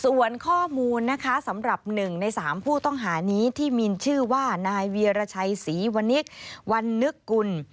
ส่วนข้อมูลนะคะสำหรับ๑ใน๓ผู้ต้องหานี้ที่มีชื่อว่านายเวียรชัยศรีวนิกวันนึกกุล